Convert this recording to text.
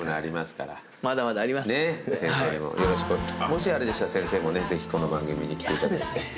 もしあれでしたら先生もねぜひこの番組に来ていただいて。